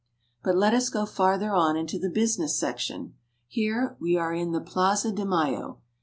But let us go farther on into the business section. Here we are in the Plaza de Mayo.